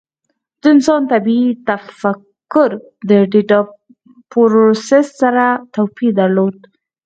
د انسان طبیعي تفکر د ډیټا پروسس سره توپیر درلود.